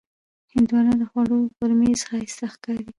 هندوانه د خوړو پر میز ښایسته ښکاري.